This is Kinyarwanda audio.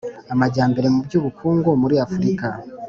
Amajyambere mu by ubukungu muri afurika